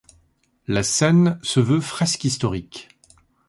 La scène se veut fresque historique.